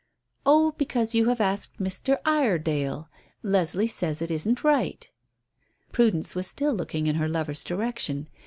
"Oh, because you have asked Mr. Iredale. Leslie says it isn't right." Prudence was still looking in her lover's direction.